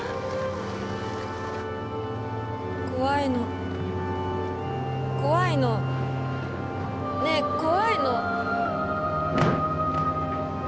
怖いの怖いのねえ怖いの。